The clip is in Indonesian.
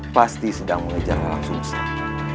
pasti sedang mengejar orang sengsang